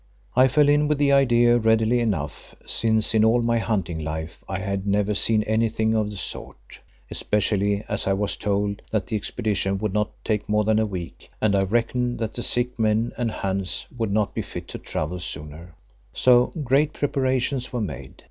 I fell in with the idea readily enough, since in all my hunting life I had never seen anything of the sort, especially as I was told that the expedition would not take more than a week and I reckoned that the sick men and Hans would not be fit to travel sooner. So great preparations were made.